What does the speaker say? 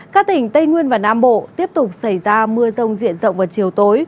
các tỉnh tây nguyên và nam bộ tiếp tục xảy ra mưa rông diện rộng vào chiều tối